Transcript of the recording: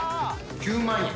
９万円。